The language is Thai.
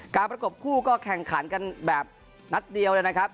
ประกบคู่ก็แข่งขันกันแบบนัดเดียวเลยนะครับ